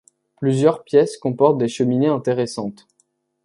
Plusieurs pièces comportent des cheminées intéressantes.